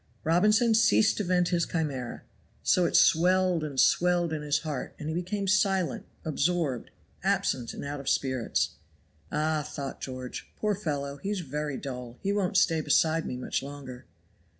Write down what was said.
Robinson ceased to vent his chimera. So it swelled and swelled in his heart, and he became silent, absorbed, absent and out of spirits. "Ah!" thought George, "poor fellow, he is very dull. He won't stay beside me much longer."